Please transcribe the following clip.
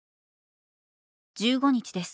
「１５日です。